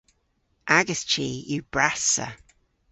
Agas chi yw brassa.